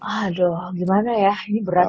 aduh gimana ya ini berat